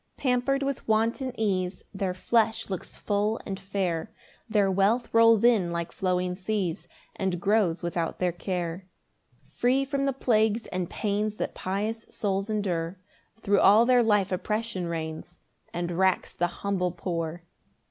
3 [Pamper'd with wanton ease, Their flesh looks full and fair, Their wealth rolls in like flowing seas, And grows without their care. 4 Free from the plagues and pains That pious souls endure, Thro' all their life oppression reigns And racks the humble poor.